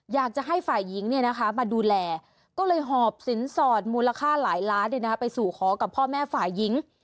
อยากจะให้ฝ่ายหญิงมาดูแลก็เลยหอบสินสอดมูลค่าหลายล้านไปสู่ขอกับพ่อแม่ฝ่ายหญิง